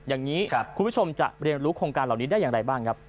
อย่างนี้คุณผู้ชมจะเรียนรู้โครงการเหล่านี้ได้อย่างไรบ้างครับ